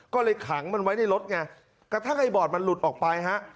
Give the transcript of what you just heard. ก็เลยขังมันไว้ในรถไงกระทั่งไอ้บอดมันหลุดออกไปฮะ